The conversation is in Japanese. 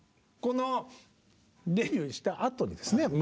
このデビューしたあとですね